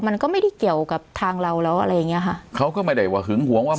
มันก็ไม่ได้เกี่ยวกับทางเราแล้วอะไรอย่างเงี้ยค่ะเขาก็ไม่ได้ว่าหึงหวงว่า